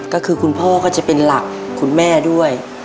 ก็คือคุณพ่อก็จะเป็นหลักคุณแม่ด้วย